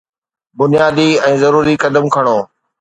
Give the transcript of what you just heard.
بنيادي ۽ ضروري قدم کڻو